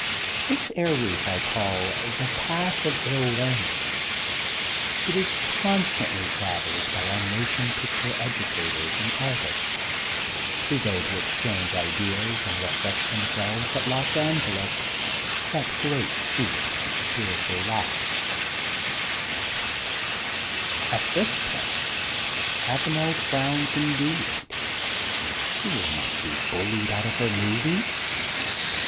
This air route I call * The Path of HI Learning. ' It is constantly trav elled by our motion picture educators and artists who go to exchange ideas and refresh themselves at Los Angeles, that great seat of spiritual lies/' At this point Avanel frowns indeed she will not be bullied out of her movies.